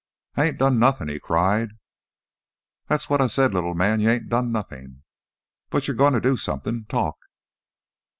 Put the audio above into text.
"I ain't done nothin'!" he cried. "That's what I said, little man. You ain't done nothin'. But you're goin' to do somethin' talk!"